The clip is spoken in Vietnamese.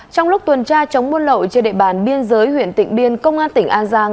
trong lúc tuần tra chống buôn lậu trên địa bàn biên giới huyện tịnh biên công an tỉnh an giang